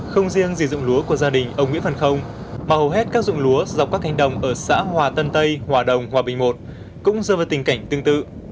không riêng dụng lúa của gia đình ông nguyễn văn không mà hầu hết các dụng lúa dọc các cánh đồng ở xã hòa tân tây hòa đồng hòa bình một cũng dơ về tình cảnh tương tự